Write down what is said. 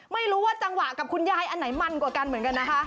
ไม่รู้ว่าจังหวะกับคุณยายอันไหนมันกว่ากันเหมือนกันนะคะ